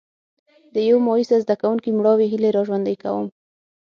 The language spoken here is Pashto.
د یو مایوسه زده کوونکي مړاوې هیلې را ژوندي کوم.